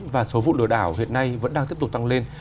và số vụ lừa đảo hiện nay vẫn đang tiếp tục tăng lên